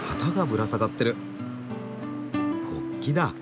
国旗だ。